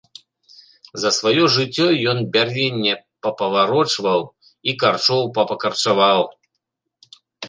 За сваё жыццё ён бярвення папаварочваў і карчоў папакарчаваў.